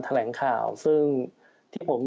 แถลงข่าวซึ่งที่ผม